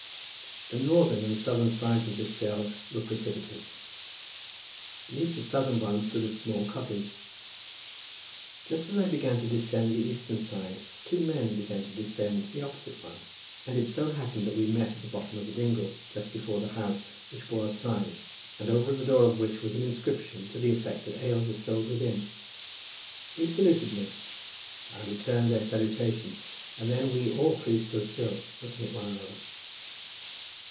The northern and southern sides of this dell were precipitous. Beneath the southern one stood a small cottage. Just as I began to descend the eastern side, two men began to descend the opposite one, and it so happened that we met at the bottom of the dingle, just before the house, which bore a sign, and over the door of which was an inscription to the effect that ale was sold within. They saluted me; I returned their salutation, and then we all three stood still looking at one another.